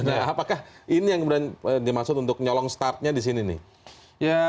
nah apakah ini yang kemudian dimaksud untuk nyolong startnya di sini nih